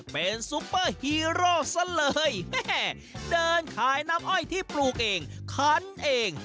เป็นซุปเปอร์ฮีโร่ซะเลยเดินขายน้ำอ้อยที่ปลูกเองคันเอง